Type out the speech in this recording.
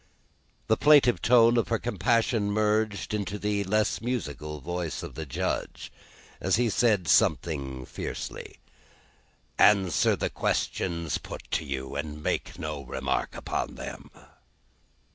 The plaintive tone of her compassion merged into the less musical voice of the Judge, as he said something fiercely: "Answer the questions put to you, and make no remark upon them."